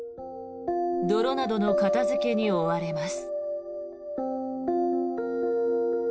泥などの片付けに追われます。